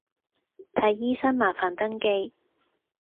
睇醫生麻煩登記